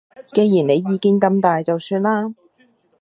既然你意見咁大就算啦